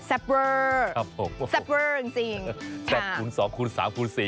แซ่โปรครับผมแซ่โปรจริงจริงค่ะแซ่พูดสองกูนสามกูนสี่